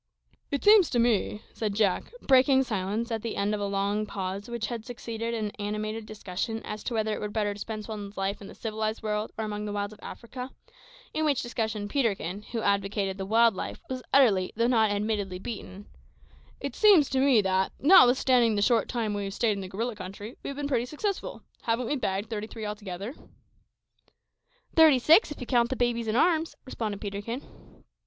"It seems to me," said Jack, breaking silence at the end of a long pause which had succeeded an animated discussion as to whether it were better to spend one's life in the civilised world or among the wilds of Africa, in which discussion Peterkin, who advocated the wild life, was utterly, though not admittedly, beaten "it seems to me that, notwithstanding the short time we stayed in the gorilla country, we have been pretty successful. Haven't we bagged thirty three altogether?" "Thirty six, if you count the babies in arms," responded Peterkin.